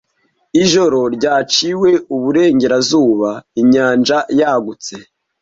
Ijoro ryaciwe iburengerazuba; inyanja yagutse